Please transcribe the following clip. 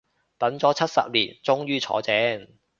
等咗七十年終於坐正